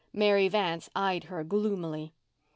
Mary Vance eyed her gloomily.